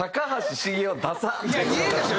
いいでしょ！